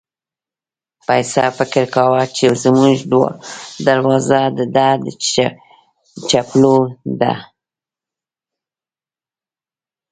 پسه فکر کاوه چې زموږ دروازه د ده د چپلو ده.